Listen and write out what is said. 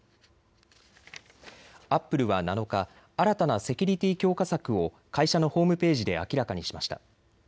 アップルは７日、新たなセキュリティー強化策を会社のホームページで明らかにしました。